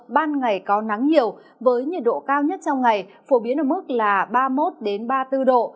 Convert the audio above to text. ban ngày có nắng nhiều với nhiệt độ cao nhất trong ngày phổ biến ở mức là ba mươi một ba mươi bốn độ